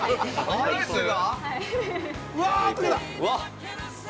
◆アイスが！？